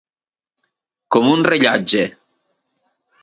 Com un rellotge.